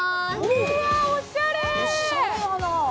うわ、おしゃれ。